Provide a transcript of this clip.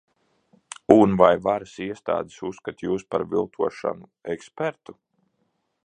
Un vai varas iestādes uzskata jūs par viltošanu ekspertu?